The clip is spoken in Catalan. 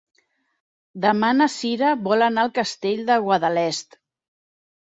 Demà na Sira vol anar al Castell de Guadalest.